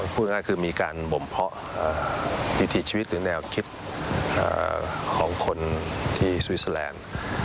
พูดง่ายคือมีการบ่มเพาะวิถีชีวิตหรือแนวคิดของคนที่สวิสเตอร์แลนด์